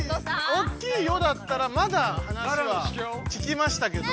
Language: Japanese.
おっきい「よ」だったらまだ話は聞きましたけど。